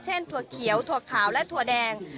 ถั่วเขียวถั่วขาวและถั่วแดง